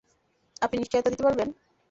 আপনি নিশ্চয়তা দিতে পারবেন?